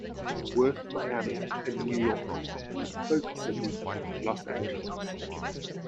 Worth, Miami and New York, with a focus city in Los Angeles.